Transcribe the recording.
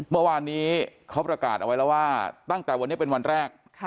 เมื่อวานนี้เขาประกาศเอาไว้แล้วว่าตั้งแต่วันนี้เป็นวันแรก